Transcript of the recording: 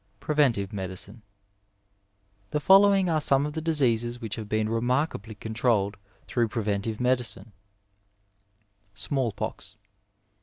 PREVENTIVE MEDICINE The following are some of the diseases which have been remarkably controlled through preventive medicine : SmaU fOX.